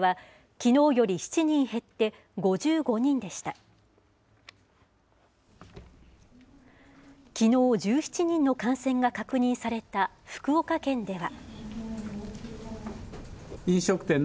きのう、１７人の感染が確認された福岡県では。